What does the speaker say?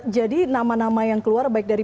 jadi nama nama yang keluar baik dari